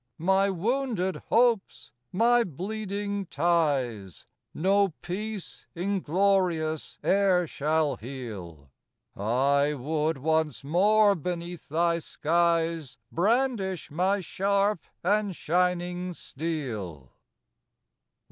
My wounded hopes, my bleeding ties, No peace inglorious e'er shall heal: I would once more beneath thy skies Brandish my sharp and shining steel.